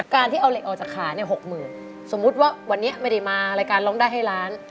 การที่เอาเหล็กออกจากขาเนี่ยหกหมื่นสมมุติว่าวันนี้ไม่ได้มารายการร้องได้ให้ล้าน